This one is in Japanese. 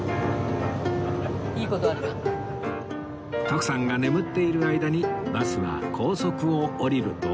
徳さんが眠っている間にバスは高速を降りると